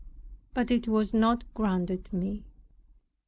But it was not granted me.